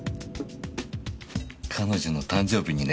彼女の誕生日にね。